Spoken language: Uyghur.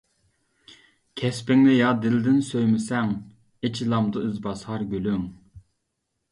كەسپىڭنى يا دىلدىن سۆيمىسەڭ، ئېچىلامدۇ ئىزباسار گۈلۈڭ.